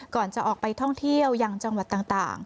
ก่อนจะออกไปท่องเที่ยวยังจังหวัดต่าง